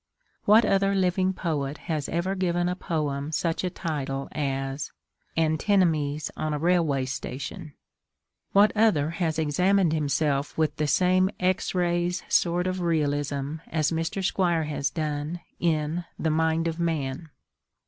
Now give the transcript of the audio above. What other living poet has ever given a poem such a title as Antinomies on a Railway Station? What other has examined himself with the same X rays sort of realism as Mr. Squire has done in _The Mind of Man?